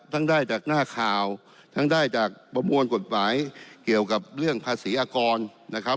ได้จากหน้าข่าวทั้งได้จากประมวลกฎหมายเกี่ยวกับเรื่องภาษีอากรนะครับ